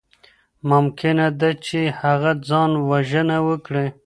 ممکنه ده چي هغه ځان وژنه وکړي.